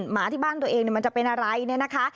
หมาที่บ้านตัวเองมันจะเป็นอะไรเนี่ยนะคะ